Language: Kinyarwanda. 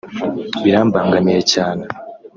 birambangamiye cyane